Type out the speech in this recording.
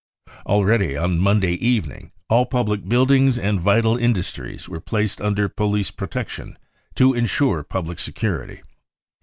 Already on Monday evening, all public buildings and vital industries were placed under police protection to ensure public security.